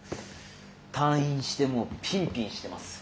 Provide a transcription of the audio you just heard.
退院してもうピンピンしてます。